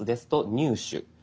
「入手」。